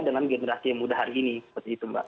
dengan generasi yang muda hari ini seperti itu mbak